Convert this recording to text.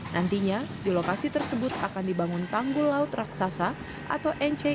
nantinya di lokasi tersebut akan dibangun tanggul laut raksasa atau nc